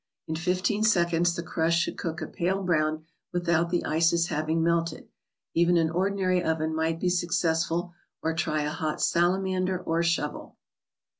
In fifteen seconds the crusts should cook a pale brown, without the ices having melted. Even an ordinary oven might be successful; or try a hot salamander, or shovel.